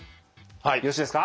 よろしいですか？